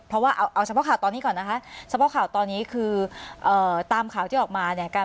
เพราะว่าเอาเฉพาะข่าวตอนนี้ก่อนนะคะเฉพาะข่าวตอนนี้คือตามข่าวที่ออกมาเนี่ย